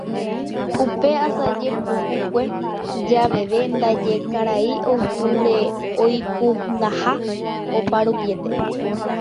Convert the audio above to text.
Upe asaje pukukue javeve ndaje Karai Octubre oikundaha oparupiete